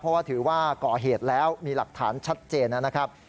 เพราะว่าถือว่าก่อเหตุแล้วมีหลักฐานชัดเจนนะครับ